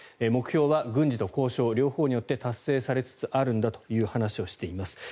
目標は軍事と交渉、両方によって達成されつつあるんだという話をしています。